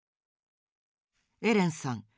エレンさん